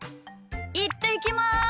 いってきます！